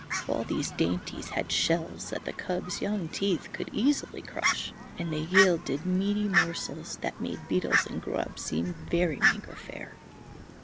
All these dainties had shells that the cub's young teeth could easily crush, and they yielded meaty morsels that made beetles and grubs seem very meagre fare.